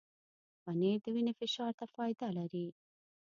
پنېر د وینې فشار ته فایده لري.